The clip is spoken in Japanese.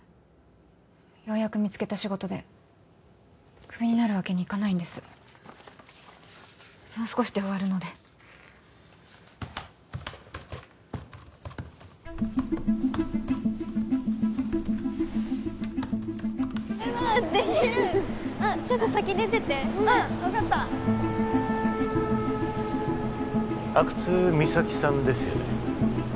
ようやく見つけた仕事でクビになるわけにいかないんですもう少しで終わるのであっちょっと先出ててうん分かった阿久津実咲さんですよね？